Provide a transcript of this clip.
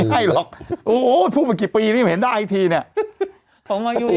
ไม่ได้หรอกโอ้โหพูดมากี่ปีแล้วยังไม่เห็นได้อีกทีเนี้ยผมมาอยู่ยังไง